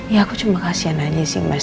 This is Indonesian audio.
ya aku cuma kasihan aja sih mas